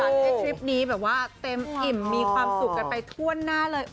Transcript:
ให้ทริปนี้แบบว่าเต็มอิ่มมีความสุขกันไปทั่วหน้าเลย